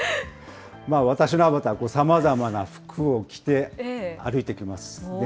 私のアバターがさまざまな服を着て、歩いてきます。